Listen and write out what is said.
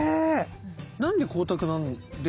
何で光沢出るんですか？